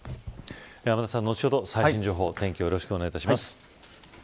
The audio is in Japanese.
天達さん、後ほど最新情報お天気をお願いします。